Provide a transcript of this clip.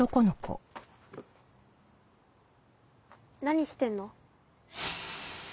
何してんの？